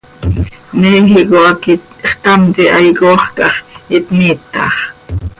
Méjico hac ixtamt hihaai coox cah x ihpmiitax.